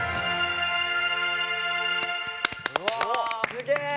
すげえ！